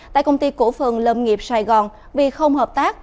tại công ty cổ phần lâm nghiệp sài gòn vì không hợp tác